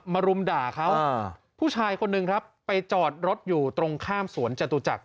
รุมด่าเขาผู้ชายคนหนึ่งครับไปจอดรถอยู่ตรงข้ามสวนจตุจักร